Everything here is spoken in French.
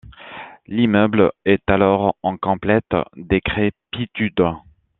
L'immeuble est alors en complète décrépitude.